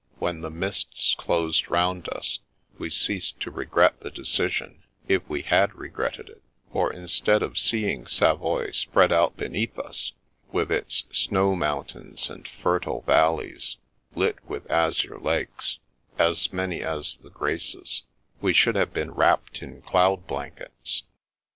When the mists closed round us, we ceased to regret the decision, if we had regretted it; for instead of seeing Savoy spread out beneath us, with its snow mountains and fertile valleys, lit with azure lakes — ^as many as the Graces — we should have been wrapped in cloud blankets.